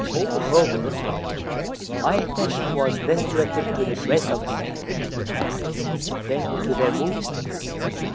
Moreover, my attention was less directed to the dress of the men, than to their movements.